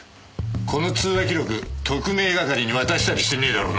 この通話記録特命係に渡したりしてねえだろうな？